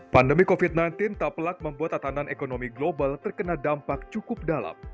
pandemi covid sembilan belas tak pelak membuat tatanan ekonomi global terkena dampak cukup dalam